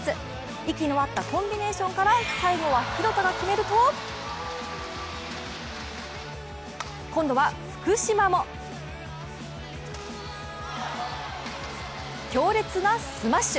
息の合ったコンビネーションから最後は廣田が決めると今度は福島も強烈なスマッシュ。